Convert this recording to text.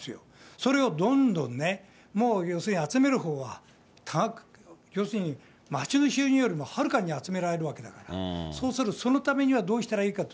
それをどんどんね、もう要するに集めるほうは、要するに町の収入よりもはるかに集められるわけだから、そうすると、そのためにはどうしたらいいかと。